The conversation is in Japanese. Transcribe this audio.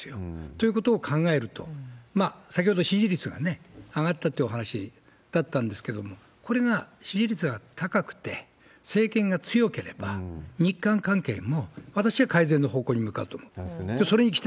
ということを考えると、先ほど支持率が上がったってお話だったんですけれども、これが支持率が高くて、政権が強ければ、日韓関係も、私は改善の方向に向かうと思う。